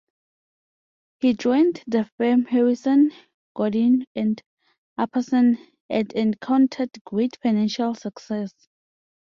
He joined the firm Harrison, Goddin, and Apperson and encountered great financial success.